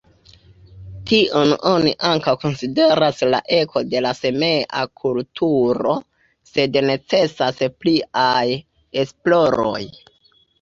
Tion oni ankaŭ konsideras la eko de la Samea kulturo, sed necesas pliaj esploroj.